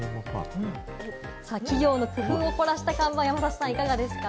企業の工夫を凝らした看板いかがですか？